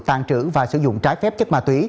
tàn trữ và sử dụng trái phép chất ma túy